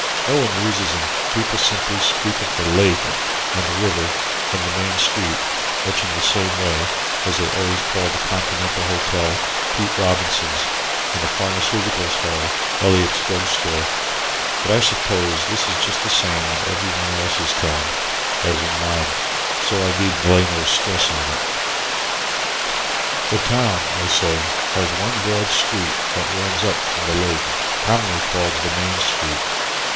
Nobody uses them. People simply speak of the "lake" and the "river" and the "main street," much in the same way as they always call the Continental Hotel, "Pete Robinson's" and the Pharmaceutical Hall, "Eliot's Drug Store." But I suppose this is just the same in every one else's town as in mine, so I need lay no stress on it. The town, I say, has one broad street that runs up from the lake, commonly called the Main Street.